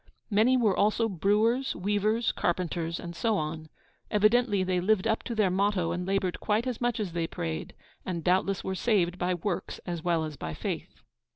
Many were also brewers, weavers, carpenters, and so on. Evidently they lived up to their motto and laboured quite as much as they prayed, and doubtless were saved by works as well as by faith.